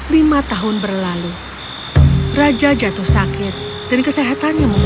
lima tahun berlalu raja jatuh sakit dan kesehatannya memulai